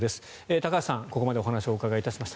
高橋さんにここまでお話をお伺いしました。